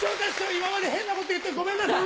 今まで変なこと言ってごめんなさい！